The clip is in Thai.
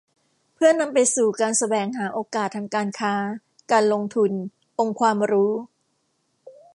เพื่อนำไปสู่การแสวงหาโอกาสทางการค้า การลงทุน องค์ความรู้